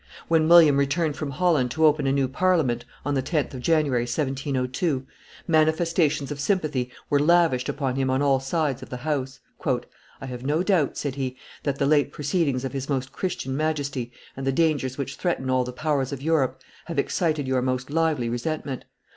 When William returned from Holland to open a new Parliament, on the 10th of January, 1702, manifestations of sympathy were lavished upon him on all sides of the house. "I have no doubt," said he, "that the late proceedings of his Most Christian Majesty and the dangers which threaten all the powers of Europe have excited your most lively resentment.